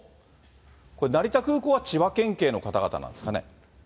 これ、成田空港は千葉県警の方々なんですかね。